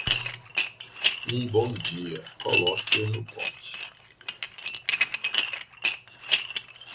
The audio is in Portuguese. Um bom dia, coloque-o no pote.